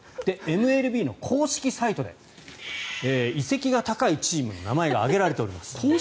ＭＬＢの公式サイトで移籍が高いチームの名前が挙げられています。